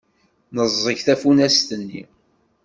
Neẓẓeg tafunast-nni.